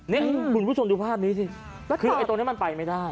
นี่คุณผู้ชมดูภาพนี้สิคือไอ้ตรงนี้มันไปไม่ได้